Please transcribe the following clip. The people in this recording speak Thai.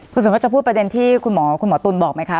คุณสมมติจะพูดประเด็นที่คุณหมอตุ๋นบอกไหมครับ